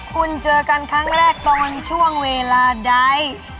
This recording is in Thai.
คุณเจอกันครั้งแรกตอนช่วงเวลาใด